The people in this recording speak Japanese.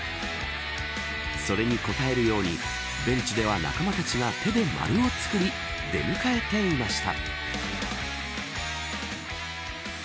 それに応えるようにベンチでは仲間たちが手で丸をつくり出迎えていました。